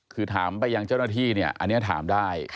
คือถามไปยังเจ้าหน้าที่เนี่ยอันนี้ถามได้